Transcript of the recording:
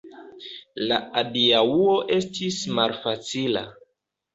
La adiaŭo estis malfacila.